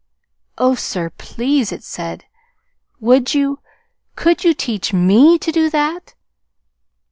"Oh, sir, please," it said, "would you could you teach ME to do that?"